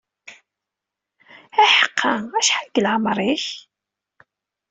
Iḥqa, acḥal deg leɛmer-ik?